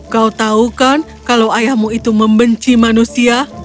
kau tahu kan kalau ayahmu itu membenci manusia